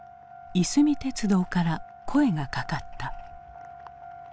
いすみ鉄道から声がかかった。